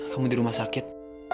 kamu di rumah sakit